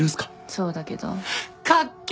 そうだけど。かっけ！